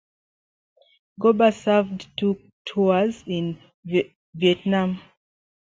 Gober served two tours in Vietnam.